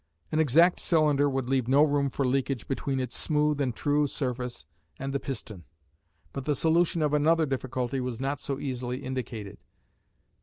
An exact cylinder would leave no room for leakage between its smooth and true surface and the piston; but the solution of another difficulty was not so easily indicated.